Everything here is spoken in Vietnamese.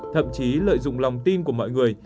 thậm chí lợi dụng lòng tin của mọi người